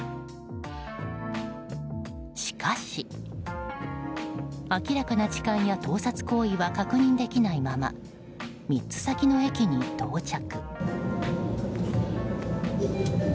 しかし、明らかな痴漢や盗撮行為は確認できないまま３つ先の駅に到着。